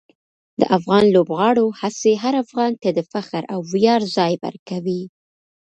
د افغان لوبغاړو هڅې هر افغان ته د فخر او ویاړ ځای ورکوي.